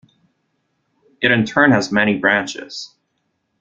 It in turn has many branches.